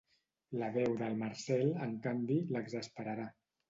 La veu del Marcel, en canvi, l'exasperarà.